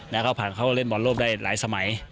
แล้วก็ผ่านเข้าเล่นบอลโลกได้หลายสมัย